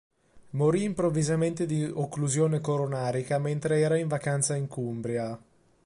Morì improvvisamente di occlusione coronarica mentre era in vacanza in Cumbria.